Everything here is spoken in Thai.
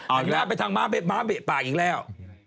เอาหน้าไปทางม้าเบะม้าเบะปากอีกแล้ว